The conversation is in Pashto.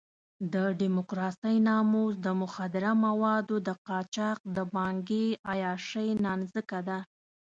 د ډیموکراسۍ ناموس د مخدره موادو د قاچاق د پانګې عیاشۍ نانځکه ده.